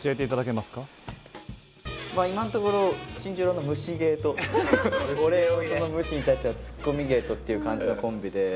まあ今んところ新十郎の無視芸と俺その無視に対してはツッコミ芸とっていう感じのコンビで。